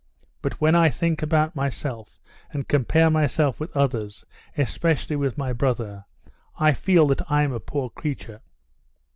"But when I think about myself, and compare myself with others, especially with my brother, I feel I'm a poor creature."